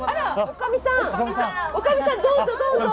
おかみさんどうぞ。